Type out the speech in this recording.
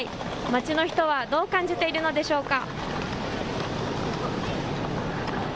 街の人はどう感じているのでしょうか。